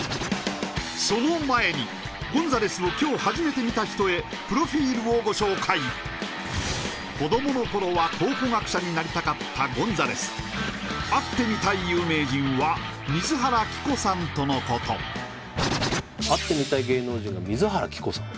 その前にゴンザレスを今日初めて見た人へプロフィールをご紹介子どもの頃は考古学者になりたかったゴンザレス会ってみたい有名人は水原希子さんとのこと会ってみたい芸能人が水原希子さん